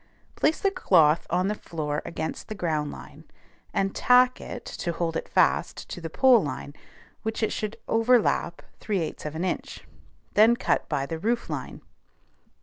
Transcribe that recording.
Place the cloth on the floor against the ground line, and tack it (to hold it fast) to the pole line, which it should overlap 3/8 of an inch; then cut by the roof line.